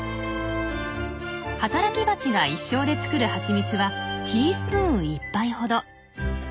働きバチが一生で作る蜂蜜はティースプーン１杯ほど。